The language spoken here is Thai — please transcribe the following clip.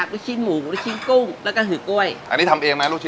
ลูกชิ้นหมูลูกชิ้นกุ้งแล้วก็หือกล้วยอันนี้ทำเองไหมลูกช